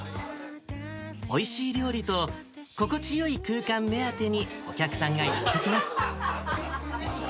おいしい料理と、心地よい空間目当てにお客さんがやって来ます。